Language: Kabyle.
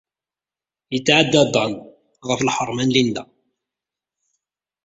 Yetɛedda Dan ɣef lḥeṛma n Linda.